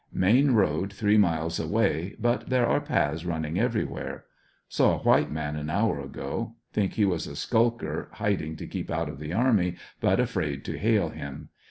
Main road three miles away, but there are paths running every where. Saw a white man an hour ago. Think he was a skulker hiding to keep out of the army, but afraid to hail him.